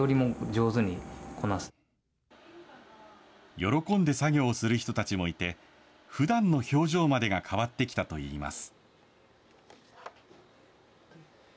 喜んで作業をする人たちもいて、ふだんの表情までが変わってきたといいます。